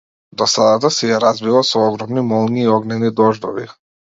Досадата си ја разбива со огромни молњи и огнени дождови.